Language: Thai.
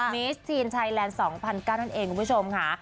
มิสทีนไทยแลนด์๒๐๐๙นั่นเองคุณผู้ชมค่ะ